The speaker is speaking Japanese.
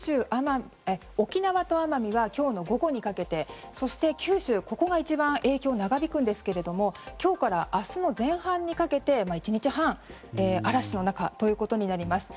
沖縄と奄美は今日の午後にかけてそして、九州ここが一番影響が長引くんですが今日から明日の前半にかけて１日半、嵐の中となります。